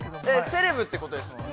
◆セレブってことですもんね。